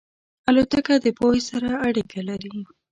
الوتکه د پوهې سره اړیکه لري.